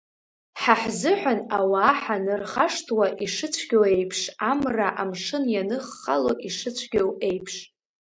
Ҳа ҳзыҳәан ауаа ҳанырхашҭуа ишыцәгьоу еиԥш, Амра амшын ианыххало ишыцәгьоу еиԥш.